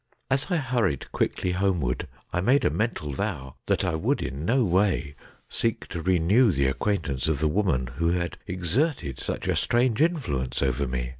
As I hurried quickly homeward, I made a mental vow that I would in no way seek to renew the acquaintance of the woman who had exerted such a strange influence over me.